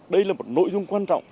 đây là một nội dung quan trọng